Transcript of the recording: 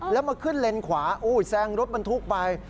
แล้วมาขึ้นเลนขวาแซงรถบรรทุกไป